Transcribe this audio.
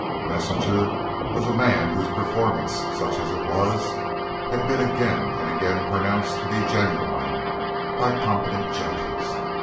Messinger was a man whose performance, such as it was, had been again and again pronounced to be genuine by competent judges.